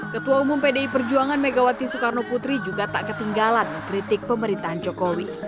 ketua umum pdi perjuangan megawati soekarno putri juga tak ketinggalan mengkritik pemerintahan jokowi